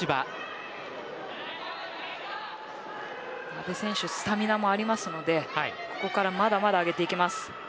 阿部選手はスタミナもあるのでここからまだまだ上げていきます。